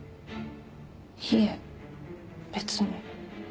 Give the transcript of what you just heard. いえ別に。